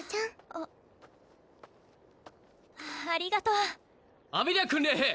あありがとうアメリア訓練兵！